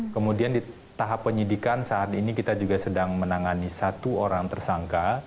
kemudian di tahap penyidikan saat ini kita juga sedang menangani satu orang tersangka